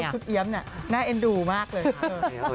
คุณเอี๊ยมเนี่ยน่าเอ็นดูมากเลย